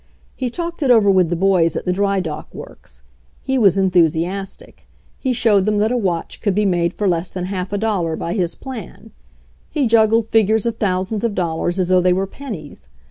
He talked it over with the boys at the drydock works. He was enthusiastic. He showed them that a watch could be made for less than half a dollar by his plan. He juggled figures of thou sands of dollars as though they were pennies.